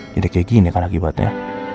jadi kayak gini kan akibatnya